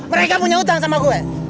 mereka punya hutang sama gue